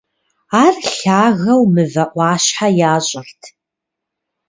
Ар лъагэу мывэ Ӏуащхьэ ящӀырт.